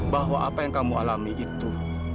bahwa apa yang kamu alami itu